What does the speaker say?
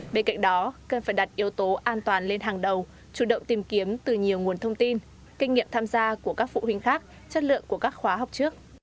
bên cạnh đó cần phải đặt yếu tố an toàn lên hàng đầu chủ động tìm kiếm từ nhiều nguồn thông tin kinh nghiệm tham gia của các phụ huynh khác chất lượng của các khóa học trước